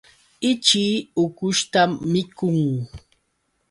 Ichii ukushtam mikun.